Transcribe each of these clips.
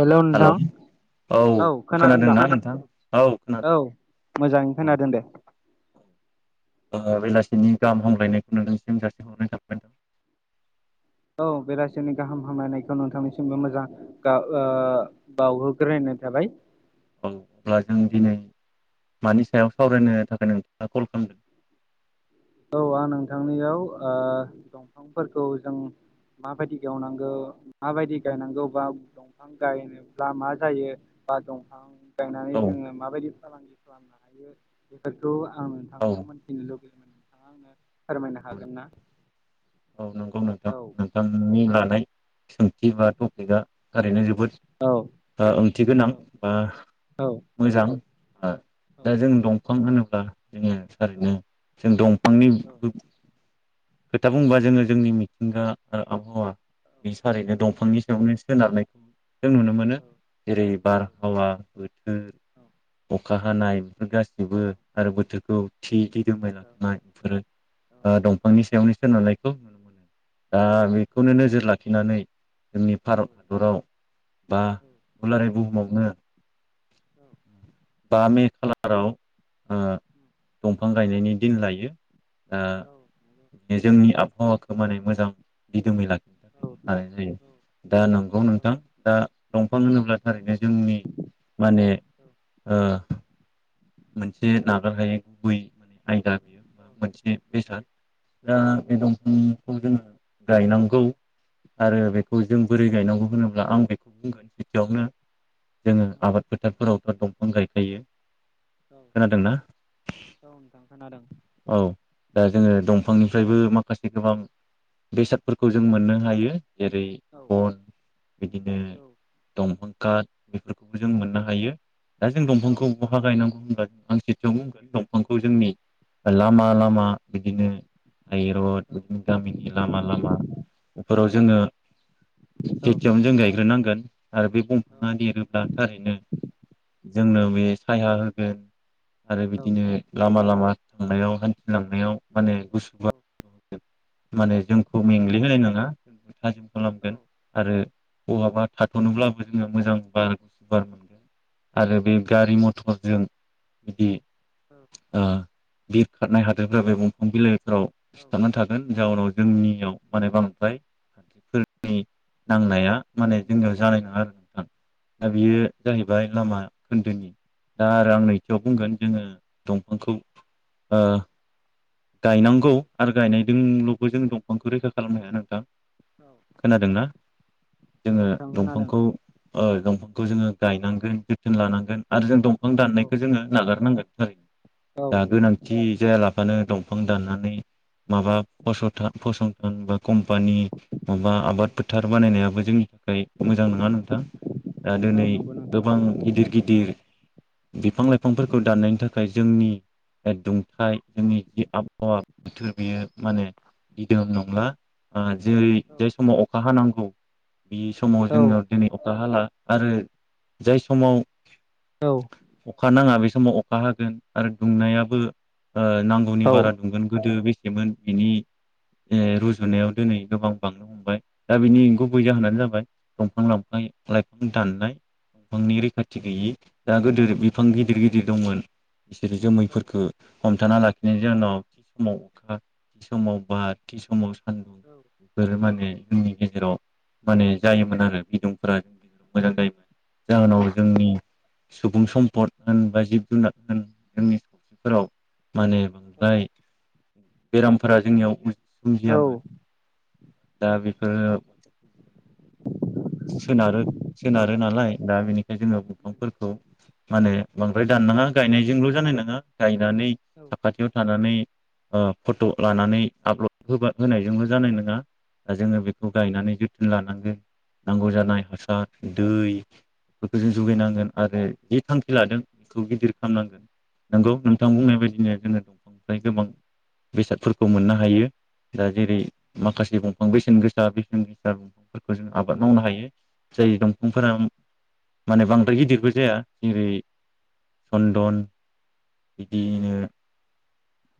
Hello नोंथां औ खोनादों दा खोनादोंना नोंथां औ खोनादों मोजाङै औ खोनादों दे बेलासिनि गाहाम हामलायनायखौ नोंथांसिम जासिहरग्रोनाय थाबाय औ बेलासिनि गाहाम हामलायनायखौ नोंथांनिसिमबो मोजां ओ बावहोग्रोयनाय थाबाय औ अब्ला जों दिनै मानि सायाव सावरायनो थाखाय नोंथाङा कल खालामदों [inaudible] औ आं नोंथांनियाव ओ दंफांफोरखौ जों माबायदि गेवनांगौ माबायदि गायनांगौ बा दंफां गायनोब्ला मा जायो बा दंफां [inaudible] गायनानै औ जोंङो माबायदि [inaudible] खौ आं औ नोंथांनिाव मोन्थिनो लुबैयो आंनो फोरमायनो हागोन ना [inaudible] औ नंगौ नोंथां औ नोंथांनि सोंथि बा टपिकआ ओरैनो जों [inaudible] जोबोद ओ ओंथि गोनां ओ औ मोजां ओ औ दा जों दं खम होनोब्ला जोंङो थारैनो जों दंफांनि औ [inaudible] खोथा बुंबा जोंङो जोंनि मिथिंगा आरो आबहावा औ बे सारैनो दंफांनि सायावनो सोनारनायखौ जों नुनो मोनो जेरै बारहावा बोथोर अखा हानाय बेफोर गासिबो आरो बोथोरखौ थि जबाय लाखनाय बेफोरो दं [inaudible] सेनिसो नुनायखौ नुनो मोनो दा बेखौनो नोजोर लाखिनानै जोंनि भारत हादराव बा दुलाराय बुहुमावनो औ बा मे खालाराव ओ दंफां गायनायनि दिन लायो। ओ जोंनि आबहावा खौ माने मोजां दिदोमै लाखिनो थाखायनो लानाय जायो दा नंगौ नोंथां दा दंफां होनोब्ला थारैनो जोंनि माने बा मोनसे नागारहायै गुबै आयदा नुयो बा मोनसे बेसाद दा बे दंफांखौ जोङो गायनांगौ आरो बेखौ जों बोरै गायनांगौ होनोब्ला आं बेखौ बुंगोन गिबियावनो जोङो आबाद फोथारफोराव दंफां गायखायो खोनादोंना नोंथां खोनादों औ दा जोङो दं फांनिफ्रायबो मा खासे गोबां औ बेसाद फोरखौ जों मोननो हायो। जेरै औ बन बिदिनो दंफां काट बेफोरखौबो जों मोननो हायो। दा जों दंफांखौ नोंथां बहा गायनांगौ [unintelligible] दंफांखौ जोंनि लामा खोनादों लामा बिदिनो हायरड औ बिदिनो गामिनि लामा लामा फोराव जोङो खेथियावनो जों गायग्रोनांगोन आरो बे दंफाङा देरोब्ला थारैनो जोंनो बे साया [inaudible] आरो बिदिनो लामा लामा थांनायाव हान्थि लांनायाव माने गुसु माने जोंखौ मेंग्लिहोनाय नङा [inaudible] थाजिम खालामगोन आरो बहाबा थाथ'नोब्लाबो जोङो मोजां बार गुस बार मोनगोन आरो बे गारि मथरजों बिदि औ बिरखारनाय हाद्रिफ्रा बे दंफां बिलाइ ओ सिथाबनानै थागोन जाउनाव जोंनियाव माने बांद्राय हाद्रिफोरनि नांनाया माने जोंनियाव जानाय नङा आरो नोंथां दा बियो जाहैबाय लामा खोन्दोनि दा आरो आंनि सियाव बुंगोन जोङो दंफांखौ ओ गायनांगौ आरो गायनायजोंल बो जों दंफांखौ रैखा खालामनो हाया नोंथां खोनादोंना औ जोङो दंफांखौ ओ दंफां खौ जोङो गायनांगोन जोथोन लानांगोन आरो जों दंफां दाननायखौ जोङो नागारनांगोन [unintelligible] दा गोनांथि जायाला फानो दं फां दाननानै माबा फसथा फसं होनबा कम्पानि माबा आबाद फोथार बानायनायाबो जोंनि थाखाय मोजां नङा नोंथां दा दोनै नंगौ गोबां गिदिर गिदिर बिफां नोंथां लाइफांफोरखौ दाननायनि थाखाय जोंनि दुंथाइ जोंनि आबहावा बोथोर बियो माने दिदोम नागला ओ जेरै जाय समाव अखा हानांगौ बे औ नोंथां समाव जोङो दिनै अखा हाला आरो जाय समाव अखा नाङा बे समाव अखा हागोन आरो दुंनायाबो नांगौ बारा दुंगोन गोदो बे मोन बिनि रुजुनायाव दिनै गोबां बांनो हमबाय दा बिनि गुबै जाहोनानो जाबाय दंफां लाांफां लाइफां दाननाय दंफांनि रैखाथि गैयि दा गोदिर बिफां गिदिर गिदिर दंमोन बिसोरो जोमैफोरखो हमथाना लाखिनो [unintelligible] समाव अखा समाव बार समाव बोरो माबे जोंनि गेजेराव माने जायोमोन आरो बिदुंफोरा मोजां जायोमोन। जाहोनाव जोंनि सुबुं सम्पद होन बा जिब जुनार होन जोंनि फोराव माने जाय बेरामफोरा जोंनियाव सोमजियामोन दा बेफोरो सोनारो सोनारो नालाय दा बेनिखाय जोङो दंफांफोरखौ माने बांद्राय दाननाङा गायनायजोंल' जानाय नङा दानि साखाथियाव थानानै ओ फट' लानानै आपलड होबा होनायजोंल' जानाय नङा दा जोङो बेखौ गायनानै जोथोन लानांगोन। नांगौ जानाय हासार, दै, बेखौ जों जुगायनांगोन आरो जि थांखि लादों बेखौ गिदिर खामनांगोन नोंगौ नोंथां बुंनाय बायदिनो जोङो ओफ्राय गोबां बेसादफोरखौ मोननो हायो दा जेरै माखासे दंफां बेसेन गोसा बेसेन गोसा फोरखौ जोङो। आबाद मावनो हायो जाय दंफांफोरा माने बांद्राय गिदिरबो जाया जेरै सन्दन बिदियैनो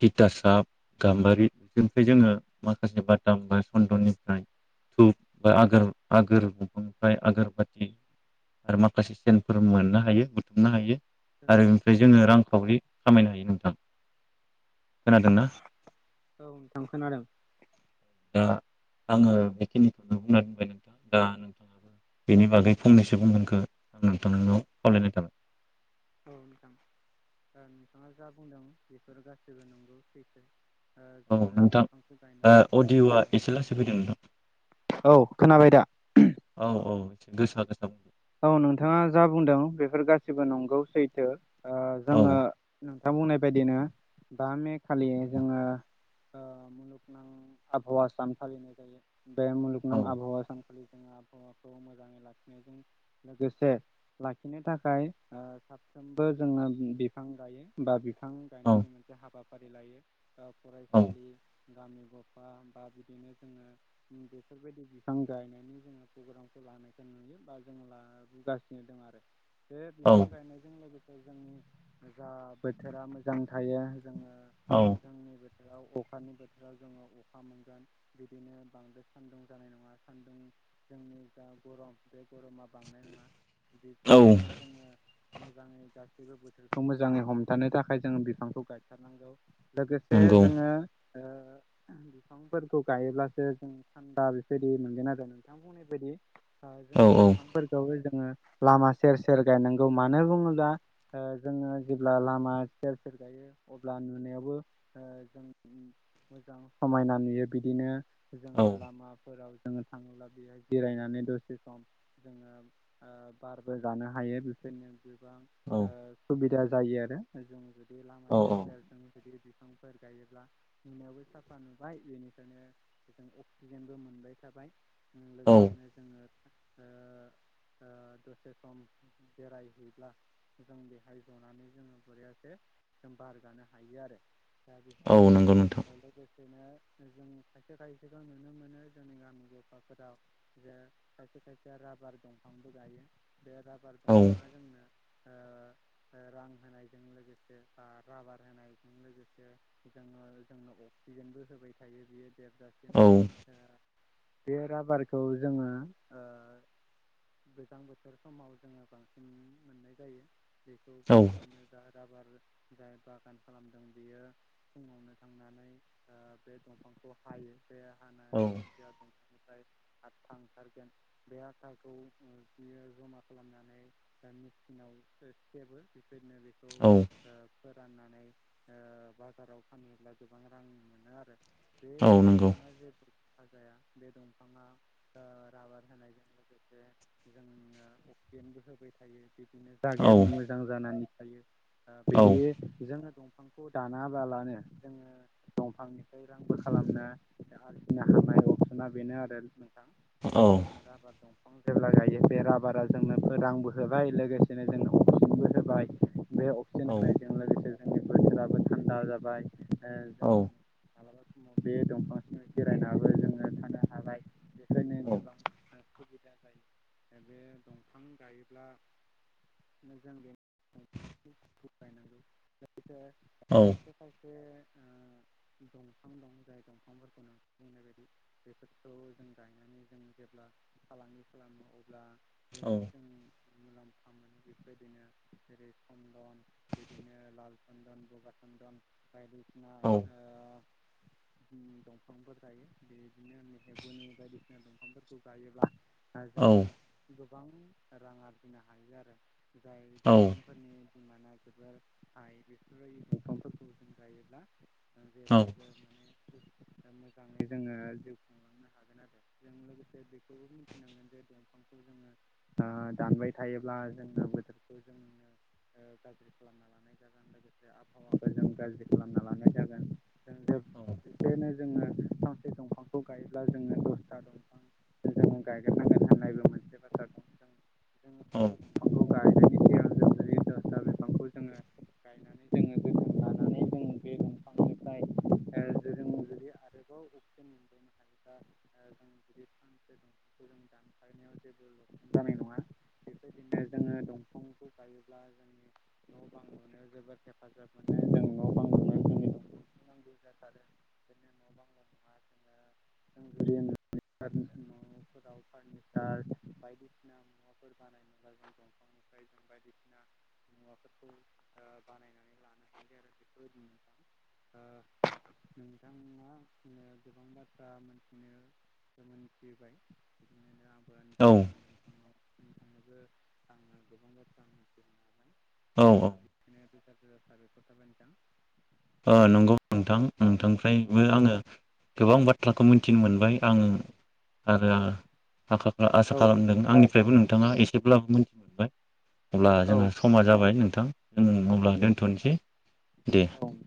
टिथासाब गाम्बारि बेफोरनिफ्राय जोङो माखासे बादाम बा सन्दननिफ्राय धुप बा आगोर आगोर दंफांनिफ्राय आगोर बाथि आरो माखासे सेनफोर मोननो हायो बुथुमनो हायो। आरो ओमफ्राय जोङो रां खाउरि खामायनो हायो नोंथां। खोनादोंना? औ नोंथां खोनादों। दा आङो बेखिनिखौनो बुंना दोनबाय नोंथां दा बेनि बागै फंनैसो बुंगोनखो आं नोंथांनाव खावलायनाय थाबाय। औ नोंथां ओ नोंथाङा जा बुंदों बेफोर गासैबो नंगौ सैखो। ओ औ जोङो नोंथां बिफांखौ गायनांगौ ओ अडिअ'आ ओ। एसे लासै फैदों नोंथां औ खोनाबाय दा? औ औ गोसा गोसा बुं। औ नोंथाङा जा बुंदों बेफोर गासिबो नंगौ सैथो। ओ जोङो औ दा बुंनाय बायदिनो दा मे फालियो जोङो ओ मुलुगनां आबहावा सान फालिनाय जायो। बे औ मलुगनां आबहावा सानखालि जों आबहावाखौ मोजाङै लाखिनायजों लोगोसे लाखिनो थाखाय ओ साफ्रोमबो जोङो बिफां गायो बा बिफां बिफां गायनायनि मोनसे हाबा फारि लायो। ओ औ फरायसालि गामि गफा बा बिदिनो जोङो बेफोरबायदि बिफां गायनायनि जोङो प्रग्रामखौ लानायखौ नुयो बा जों लाबोगासिनो दं आरो। बे बिफां औ गायनायजों लोगोसे जोंनि जा बोथोरा मोजां थायो जोङो औ जोंनि बे बेआव अखानि बोथोराव जोङो अखा मोनगोन बिदिनो बांद्राय सान्दुं जानाय नङा सान्दुं जोंनि जा गरम बे गरमा बांनाय नङा बेफोर औ मोजाङै गासैबो बोथोरखौ मोजाङै हमथानो थाखाय जों बिफांखौ गायथारनांगौ। लोगोसे नंगौ जोङो। ओ बिफांफोरखौ गायोब्लासो जों थान्दा बेबायदि मोनगोन आरो नोंथांआबुंनाय बायदि। औ। औ बिफां फोरखौबो जों। ओ लामा सेर सेर गायनांगौ मानो बुङोब्ला ओ जोङो जेब्ला लामा सेर सेर गायो अब्ला नुनायावबो ओ जों मोजां समायना नुयो बिदिनो। जोङो औ लामाफोराव। जोनो थाङोब्ला बेहाय जिरायनानै दसे सम। जोङो ओ बारबो जानो हायो बेफोरनो गोबां औ ओ सुबिदा जायो आरो जों। बे लामा औ सेर सेर। जुदि बिफांफोर गायोब्ला नुनायावबो साफा नुबाय बेनिखायनो जों अक्सिजेनबो मोनबाय थाबाय। उम औ लोगोसेनो जोङो। ओ ओ दसे सम बेरायहैब्ला जों बेहाय जनानै जोङो बरियासे जों बार जानो हायो आरो। दा औ बेफोरबायदिनो नंगौ नोंथां ओ लोगो। बिदिनो जों खायसे खायसेखौ नुनो मोनो जोंनि गामि गफाफोराव जे खायसे खायसे। राबार दंफांबो गायो। बे राबार औ दंफांआ जोंनो। ओ ओ रां होनायजों लोगोसे बा राबार होनायजों लोगोसे जोङो जोंनो अक्सिजेनबो होबाय थायो बियो। देरजासिम औ ओ। बे राबारखौ जोङो ओ। गोजां बोथोर समाव जोङो बांसिन मोननाय जायो। बेखौ औ फुङावनो दा राबार। जाय बागान खालामदों बेयो फुङावनो थांनानै ओ बे दंफांखौ हायो बे औ हानानै जा दंफांनिफ्राय आथा ओंखारगोन। बे आताखौ जमा खालामनानै बा मेसिनाव सेबो। बेननो बेखौ औ फोराननानै। नै ओ बाजाराव फानोब्ला गोबां रां मोनो आरो। बे औ नंगौ दंफाङा जेथु। हाजाया बे दमफाङ ओ राबार होनानाय। लोगोसे जोंनो अक्सिजेनबो होबाय थायो। बिनि औ जागायाबो मोजां जानानै। थायो। ओ औ बिदि जों ओजों। बिफांखौ दानाबालानो जोङो दंफांनिफ्राय रांबो खालामनो आरजिनो हानाय अपसना बेनो आरो। थां औ जोङो राबाद। दंफां जेब्ला गायो बे राबारा जोंनो रांबो होबाय लोगोसेनो जोंनो अक्सिजेबो होबाय। बे अपसन औ होनायजों लोगोसे जोंनि बोसोराबो थान्दा जाबाय ओ जों मालाबा समाव बे दंफांसिम जिरायनाबो जोंङो थानो हाबाय बेखायनो औ गोबां सुबिदा जायो बे दंफां गायोब्ला जों बे [unintelligible] खौ गायनांगौ सेया औ खायसे खायसे ओ दंफां दं जाय दंफांफोरखौ नो बुंनाय बायदि बेफोरखौ जों गायनानै जों जेब्ला फालांगि खालामो अ ब्ला जोबोर जों मुलाम्फा मोनो बेफोरबायदिनो जेरै चन्दन बिदिनो लाल सन्दन बगा सन्दन बायदि ना औ ओ उम दंफांफोर गायो बेदिनो मेगनि बायदिसिना दंफांफोरखौ गायो ब्ला हा औ औ जोंङो गोबां रां आरजिनो हायो आरो जाय औ दंफांफोरनि माना जोबोर हाय बेफोरबायदि दंफांफोरखौ जों गायोब्ला औ जेब्लायबो माने मोजाङै जोंङो जिउ खुंलांनो हागोन आरो जों लोगोसे बे खौबो मिथिनांगोन जे दं फांखौ जोंङो ओ दानबाय थायोब्ला जोंनो बोथोरखौ जोंनो ओ गाज्रि खालामना लानाय जागोन लोगोसे आबहावाखौ जों गाज्रि खालामना लानाय जागोन जों जे बेखायनो जोंङो फांसे दंफांखौ गायोब्ला जोंङो दसथा दंफां गंरं गायगारनांगोन होननायबो मसे बाथ्रा दं जों फांसे औ दंफांखौ गायनो गायनानै जोङो जोथोन लानानै जों बे दंफांनिफ्राय जों जुदि आरोबाव अक्सिजेन मोनबावनो हायोबा जों जुदि फांसे दंफांखौ जों दानफायनायाव जेबो लकसान जानाय नङा बेबायदिनो जोंङो दंफांखौ गायोब्ला जोंनि न' बां लुनो जोबोद हेफाजाब मोनो जों न' बां लुनो जोंनि दंफांखो नांगौ जाथारो बिदिनो न' बांल' नङा जोंङो जों न'फोराव फारनिसार बायदिसिना मुवाफोर बानायनोब्ला जों दंफांनिफ्राय जों बायदिसिना मुवाफोरखौ ओ बानायनानै लानो हायो आरो बेफोरबायदिनो नोंथांङा गोबां बाथ्रा मोनथिनो मोन [inaudible] [inaudible] नोंथांनोबो आंङो गोबां बाथ्रा मिथिनो हाबाय। औ ओ बिदिनो बे बाथ रोजा साबायखर थाबाय नोंथां। नंगौ नोंथां नोंथांनिफ्रायबो आङो गोबां बाथ बाथ्राखौ मिथिनो औ मोनबाय आं आरो आखा आसा खालामदों आंनि आंनिफ्रायबो नोंथाङा एसेब्लाबो मिथि मोनबाय। अब्ला औ जोंहा समा जाबाय नों थां। जों अब्ला औ दोनथ'नोसै दे। औ